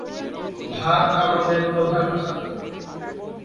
ভাত আমাদের প্রধান খাদ্য।